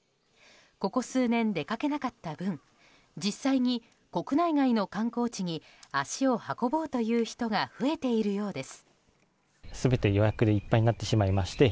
ここ数年出かけなかった分国内外の観光地に足を運ぼうという人が増えているようです。